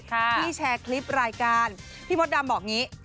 ที่แชร์คลิปรายการพี่มดดำบอกอย่างนี้